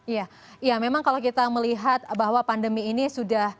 iya ya memang kalau kita melihat bahwa pandemi ini sudah